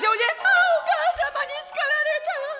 「ああお母様に叱られたっ！」。